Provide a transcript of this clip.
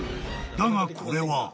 だがこれは］